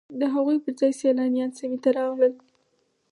د هغوی پر ځای سیلانیان سیمې ته راځي